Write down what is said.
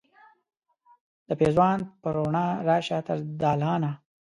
د پیزوان په روڼا راشه تر دالانه